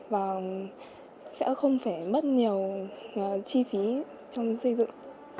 và sẽ không phải mất nhiều chi phí trong xây dựng